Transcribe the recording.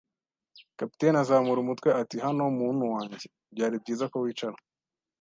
Kapiteni azamura umutwe ati: "Hano, muntu wanjye!" “Byari byiza ko wicara